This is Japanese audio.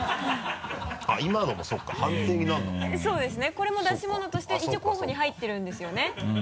これも出し物として一応候補に入ってるんですよね？